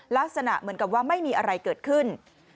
ลักษณะเหมือนกับว่าไม่มีอะไรเกิดขึ้น